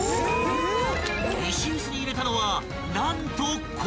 ［石臼に入れたのは何と氷］